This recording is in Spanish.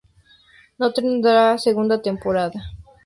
No tendrá segunda temporada.